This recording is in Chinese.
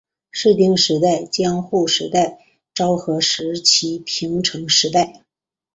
室町时代江户时代昭和时期平成时期